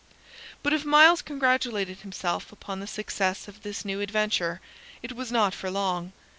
But if Myles congratulated himself upon the success of this new adventure, it was not for long.